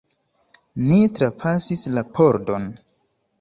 Ni trapasis la pordon.